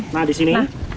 nah di sini